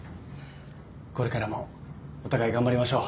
これからもお互い頑張りましょう。